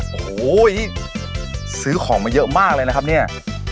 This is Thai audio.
โอ้โหนี่ซื้อของมาเยอะมากเลยนะครับเนี่ย